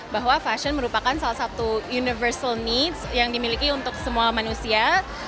bahwa fashion merupakan salah satu universal needs yang dimiliki untuk semua manusia